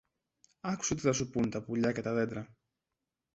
άκουσε τι θα σου πουν τα πουλιά και τα δέντρα